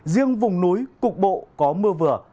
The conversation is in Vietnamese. riêng vùng núi cục bộ có mưa vừa